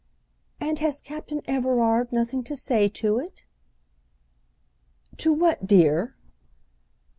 "And has Captain Everard nothing to say to it?" "To what, dear?"